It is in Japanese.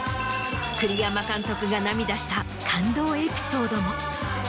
栗山監督が涙した感動エピソードも。